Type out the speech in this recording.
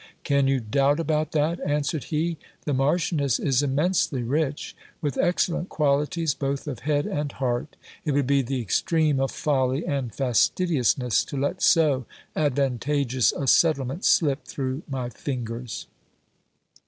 Can you doubt about that? answered he. The Marchioness is immensely rich, with excellent qualities both of head and heart. It would be the extreme of folly and fastidiousness to let so advantageous a settlement slip through my fingers.